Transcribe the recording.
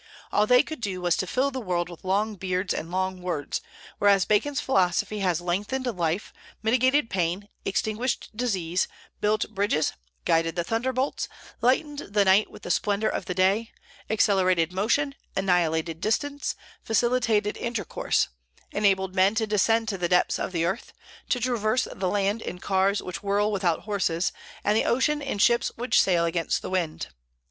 All they could do was to fill the world with long beards and long words; whereas Bacon's philosophy has lengthened life, mitigated pain, extinguished disease, built bridges, guided the thunderbolts, lightened the night with the splendor of the day, accelerated motion, annihilated distance, facilitated intercourse; enabled men to descend to the depths of the earth, to traverse the land in cars which whirl without horses, and the ocean in ships which sail against the wind."